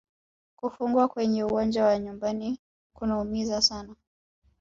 Kufungwa kwenye uwanja wa nyumbani kunaumiza sana